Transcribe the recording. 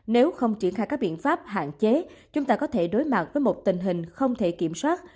nếu không triển khai các biện pháp hạn chế chúng ta có thể đối mặt với một tình hình không thể kiểm soát